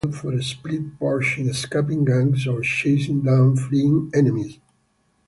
This build is suitable for split pushing, escaping ganks, or chasing down fleeing enemies.